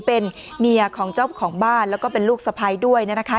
เป็นเมียของเจ้าของบ้านแล้วก็เป็นลูกสะพ้ายด้วยนะคะ